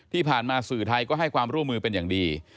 ที่ผ่านมาสื่อไทยก็ให้ความร่วมมือเป็นอย่างดี